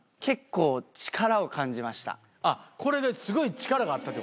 あっこれですごい力があったってこと？